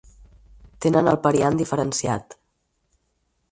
Tenen el periant diferenciat.